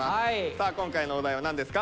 さあ今回のお題は何ですか？